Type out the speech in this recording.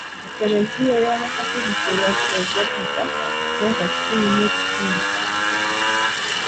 Ekereziya y'Abakatoliki ejaguza emyaka kikumi mu kitundu.